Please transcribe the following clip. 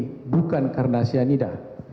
kematian ini bukan karena cyanida